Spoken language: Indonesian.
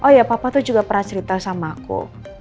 oh ya papa tuh juga pernah cerita sama aku